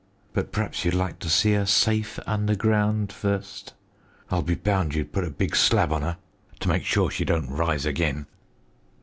But p'r'aps you'd like to see 'er safe underground fust? I'll be bound you'll put a big slab on 'er to make sure she don't rise again."